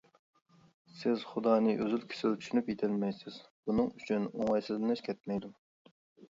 سىز خۇدانى ئۈزۈل-كېسىل چۈشىنىپ يېتەلمەيسىز، بۇنىڭ ئۈچۈن ئوڭايسىزلىنىش كەتمەيدۇ.